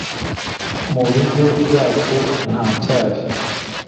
Mu bigo byacu nta cyayi